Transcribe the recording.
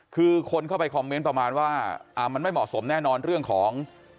คือคนเข้าไปคอมเมนต์ประมาณว่ามันไม่เหมาะสมแน่นอนเรื่องของ